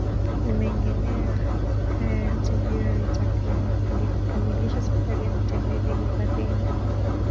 na mengineyo haya yote ndio yatakayokamilisha safari ya matembezi hifadhini